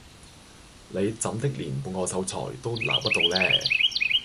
你怎的連半個秀才也撈不到呢